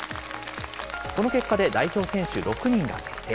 この結果で、代表選手６人が決定。